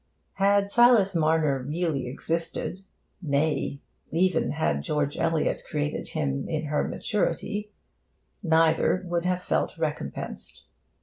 Had Silas Marner really existed (nay! even had George Eliot created him in her maturity) neither would he have felt recompensed.